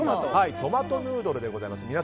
トマトヌードルでございます。